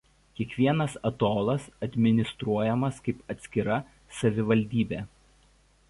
Kiekvienas atolas administruojamas kaip atskira savivaldybė.